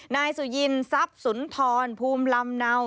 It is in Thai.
นายสุยินทรัพย์สุนทรภูมิลำเนา